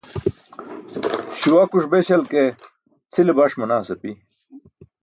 Śuwakuṣ beśal ke cʰile baṣ manaas api.